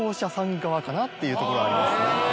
かなっていうとこがあります。